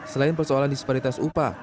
selain persoalan disparitas upah